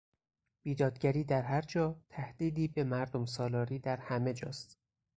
بیدادگری در هر جا تهدیدی به مردم سالاری در همهجاست.